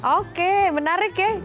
oke menarik ya